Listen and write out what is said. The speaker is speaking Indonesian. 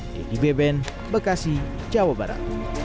dedy beben bekasi jawa barat